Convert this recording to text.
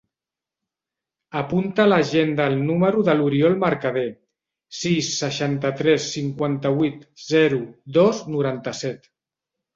Apunta a l'agenda el número de l'Oriol Mercader: sis, seixanta-tres, cinquanta-vuit, zero, dos, noranta-set.